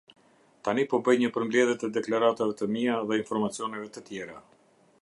Tani po bëj një përmbledhje të deklaratave të mia dhe informacioneve të tjera.